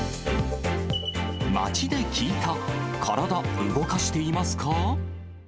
街で聞いた、カラダ動かしていますか？